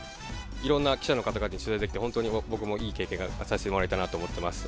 いろんな記者の方から取材をできて、本当に僕もいい経験をさしてもらえたなと思っています。